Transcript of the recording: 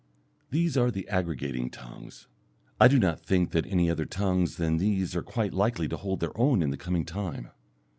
These are the aggregating tongues. I do not think that any other tongues than these are quite likely to hold their own in the coming time.